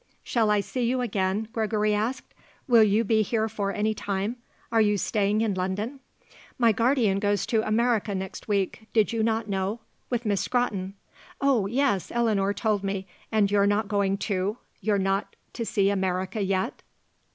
"Shall I see you again?" Gregory asked. "Will you be here for any time? Are you staying in London?" "My guardian goes to America next week did you not know? with Miss Scrotton." "Oh yes, Eleanor told me. And you're not going too? You're not to see America yet?"